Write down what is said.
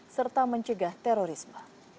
serta mencegah terorisme